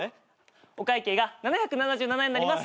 お会計が７７７円になります。